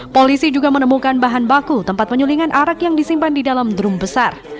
polisi juga menemukan bahan baku tempat penyulingan arak yang disimpan di dalam drum besar